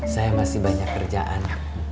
saya masih banyak kerjaan